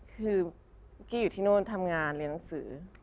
คือกี้อยู่ที่โน่นทำงานเรียนหนังสือ